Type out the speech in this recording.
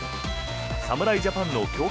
侍ジャパンの強化